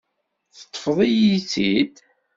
Teṭṭfeḍ-iyi-tt-id.